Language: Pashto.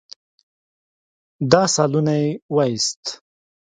له سالونه يې وايست.